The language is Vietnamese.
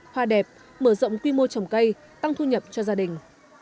hoa đẹp mở rộng quy mô trồng cây tăng thu nhập cho gia đình